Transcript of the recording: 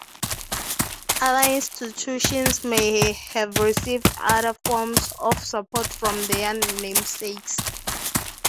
Other institutions may have received other forms of support from their namesakes.